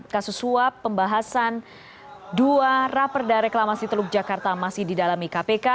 kasus suap pembahasan dua raperda reklamasi teluk jakarta masih didalami kpk